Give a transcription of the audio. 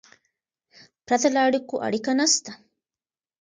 پرته له اړیکو، اړیکه نسته.